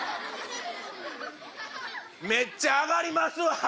めっちゃ上がりますわ。